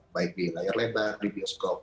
baik di layar lebar di jaringan di luar